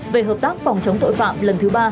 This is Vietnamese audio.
về hợp tác phòng chống tội phạm lần thứ ba